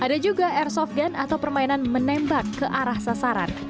ada juga airsoft gun atau permainan menembak ke arah sasaran